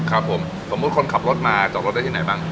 ครับผมสมมุติคนขับรถมาจอดรถได้ที่ไหนบ้าง